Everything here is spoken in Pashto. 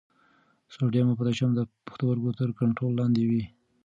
سوډیم او پوټاشیم د پښتورګو تر کنټرول لاندې وي.